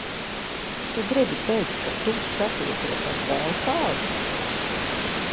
Tu gribi teikt, ka tu satiecies ar vēl kādu?